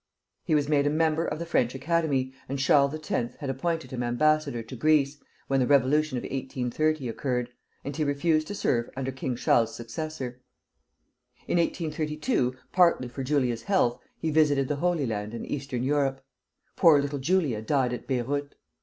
He was made a member of the French Academy, and Charles X. had appointed him ambassador to Greece, when the Revolution of 1830 occurred, and he refused to serve under King Charles's successor. In 1832, partly for Julia's health, he visited the Holy Land and Eastern Europe. Poor little Julia died at Beyrout.